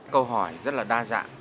câu hỏi rất là đa dạng